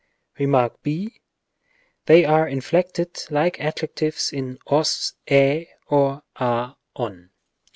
Rem. b. They are inflected like adjectives in os, 7 or a, ov.